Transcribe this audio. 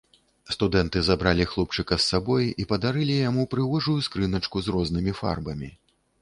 Студэнты забралі хлопчыка з сабой і падарылі яму прыгожую скрыначку з рознымі фарбамі.